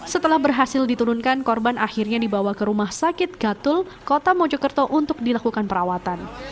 setelah berhasil diturunkan korban akhirnya dibawa ke rumah sakit gatul kota mojokerto untuk dilakukan perawatan